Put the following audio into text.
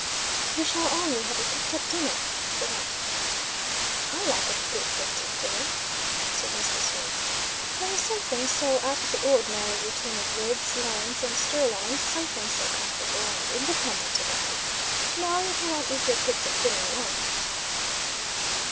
"We shall only have a picked up dinner," said I. "I like a good picked up dinner," answered Mr. Smith. "There is something so out of the ordinary routine of ribs, loins, and sirloins something so comfortable and independent about it. No, you cannot eat your picked up dinner alone."